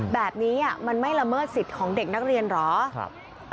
แบบนี้มันไม่ละเมิดสิทธิ์ของเด็กนักเรียนเหรอ